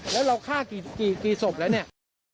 แล้วเราฆ่ากี่ศพแล้วเนี่ย